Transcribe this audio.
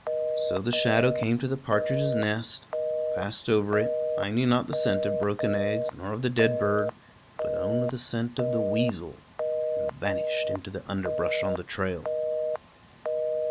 So the shadow came to the partridge's nest, passed over it, minding not the scent of broken eggs nor of the dead bird, but only the scent of the weasel, and vanished into the underbrush on the trail.